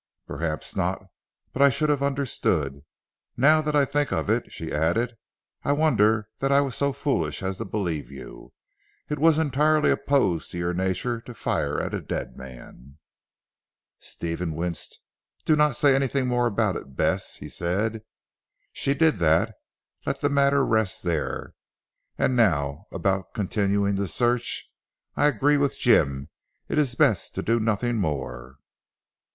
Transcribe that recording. "Perhaps not; but I should have understood. Now that I think of it," she added, "I wonder that I was so foolish as to believe you. It was entirely opposed to your nature to fire at a dead man." Stephen winced. "Do not say anything more about it Bess," he said, "she did that. Let the matter rest there. And now about continuing the search. I agree with Jim; it is best to do nothing more."